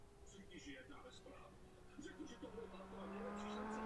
Základem metody v češtině je seznam možných koncovek a jejich odstraňování.